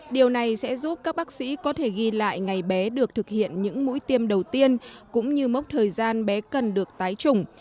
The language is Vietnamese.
điều này sẽ giúp các bác sĩ có thể ghi lại ngày bé được thực hiện những mũi tiêm đầu tiên cũng như mốc thời gian bé cần được tái chủng